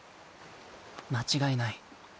間違いない。